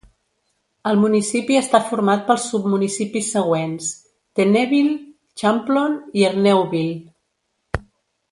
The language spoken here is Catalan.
El municipi està format pels submunicipis següents: Tenneville, Champlon i Erneuville.